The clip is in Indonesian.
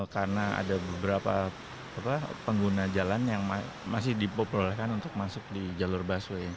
karena ada beberapa pengguna jalan yang masih diperbolehkan untuk masuk di jalur busway